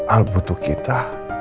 al butuh kita